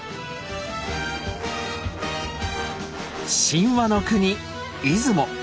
神話の国出雲。